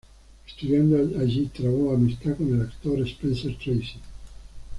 Estudiando allí, trabó amistad con el actor Spencer Tracy.